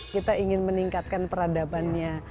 kita ingin meningkatkan peradabannya